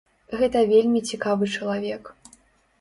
Гэта вельмі цікавы чалавек.